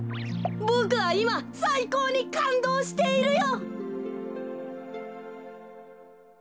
ボクはいまさいこうにかんどうしているよ！